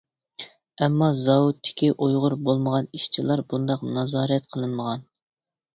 ئەمما زاۋۇتتىكى ئۇيغۇر بولمىغان ئىشچىلار بۇنداق نازارەت قىلىنمىغان.